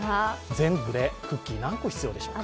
全部でクッキー、何個必要でしょうか。